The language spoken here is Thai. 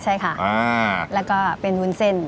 ใช่ค่ะแล้วก็เป็นวุ้นเส้น